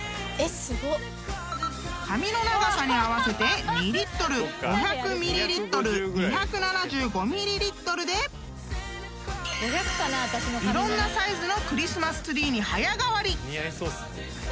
［髪の長さに合わせて２リットル５００ミリリットル２７５ミリリットルでいろんなサイズのクリスマスツリーに早変わり］